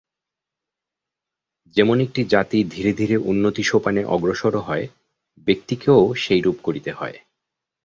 যেমন একটি জাতি ধীরে ধীরে উন্নতি-সোপানে অগ্রসর হয়, ব্যক্তিকেও সেইরূপ করিতে হয়।